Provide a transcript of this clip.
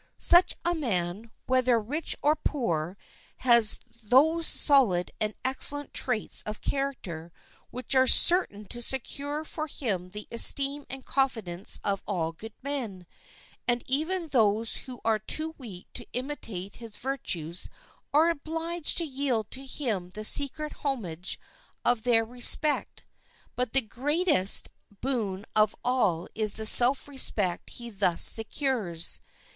Such a man, whether rich or poor, has those solid and excellent traits of character which are certain to secure for him the esteem and confidence of all good men; and even those who are too weak to imitate his virtues are obliged to yield to him the secret homage of their respect. But the greatest boon of all is the self respect he thus secures.